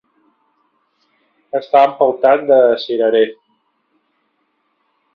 Estar empeltat de cirerer.